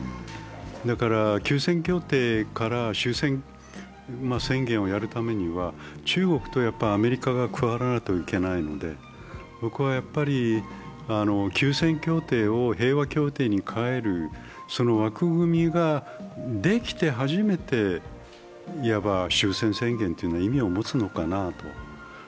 だから休戦協定から終戦宣言をやるためには中国とアメリカが加わらないといけないので僕は休戦協定を平和協定に変えるその枠組みができて初めて、いわば終戦宣言は意味を持つのかなと。